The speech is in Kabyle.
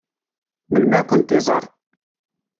Melmi ad kent-iẓeṛ?